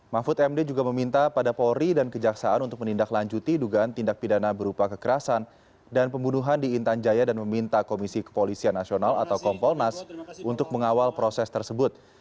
mahfud md juga meminta pada polri dan kejaksaan untuk menindaklanjuti dugaan tindak pidana berupa kekerasan dan pembunuhan di intan jaya dan meminta komisi kepolisian nasional atau kompolnas untuk mengawal proses tersebut